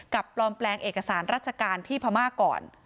ปลอมแปลงเอกสารราชการที่พม่าก่อน